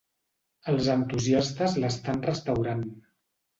Els entusiastes l'estan restaurant.